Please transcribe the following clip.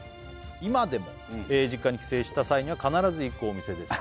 「今でも実家に帰省した際には必ず行くお店です」